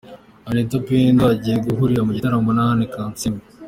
Anita Pendo agiye guhurira mu gitaramo na Anne kansiime .